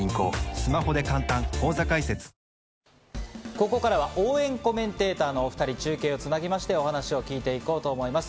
ここからは応援コメンテーターのお２人に中継をつなぎまして、お話を聞いて行こうと思います。